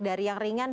dari yang ringan